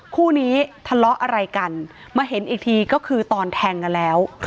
คู่นี้ทะเลาะอะไรกันมาเห็นอีกทีก็คือตอนแทงกันแล้ว